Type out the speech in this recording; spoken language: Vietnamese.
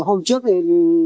hôm trước thì